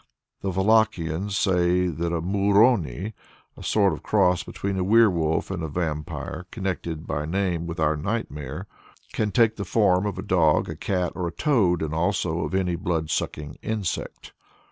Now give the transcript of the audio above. The Wallachians say that a murony a sort of cross between a werwolf and a vampire, connected by name with our nightmare can take the form of a dog, a cat, or a toad, and also of any blood sucking insect.